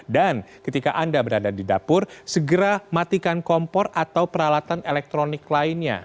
dan ketika anda berada di dapur segera matikan kompor atau peralatan elektronik lainnya